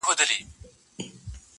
لا یې ساړه دي د برګونو سیوري!.